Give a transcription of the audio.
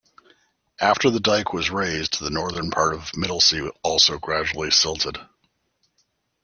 After the dike was raised, the northern part of the Middelsee also gradually silted.